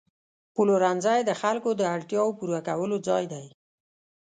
پلورنځی د خلکو د اړتیاوو پوره کولو ځای دی.